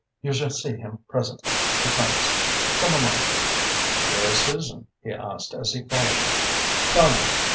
"You shall see him presently," she promised. "Come along." "Where is Susan?" he asked, as he followed her. "Gone out.